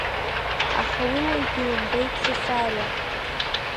Аха уи уажә илымбеит Сасариа…